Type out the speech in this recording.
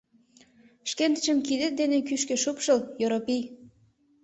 — Шкендычым кидет дене кӱшкӧ шупшыл, Йоропий!..